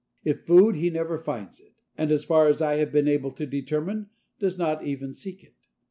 If food, he never finds it, and as far as I have been able to determine, does not even seek it.